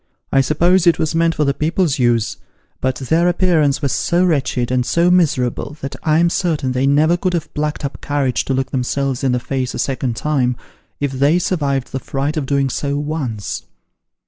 I suppose it was meant for the people's use, but their appearance was so wretched, and so miserable, that I'm certain they never could have plucked up courage to look themselves in the face a second time, if they survived the fright of doing so once.